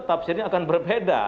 tafsirnya akan berbeda